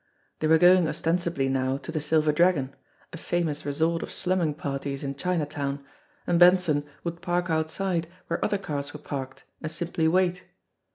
They were going ostensibly now to the Silver Dragon, a famous resort of slumming parties in Chinatown, and Benson would park outside where other cars were parked, and simply wait.